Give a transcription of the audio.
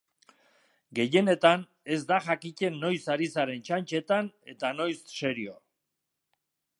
Gehienetan, ez da jakiten noiz ari zaren txantxetan eta noiz serio.